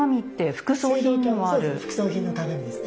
副葬品のためにですね。